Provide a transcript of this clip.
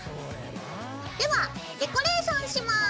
ではデコレーションします。